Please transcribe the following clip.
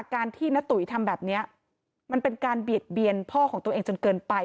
การที่ณตุ๋ยทำแบบนี้มันเป็นการเบียดเบียนพ่อของตัวเองจนเกินไป